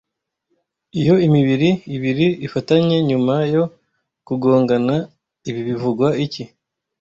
Iyo imibiri ibiri ifatanye nyuma yo kugongana, ibi bivugwa iki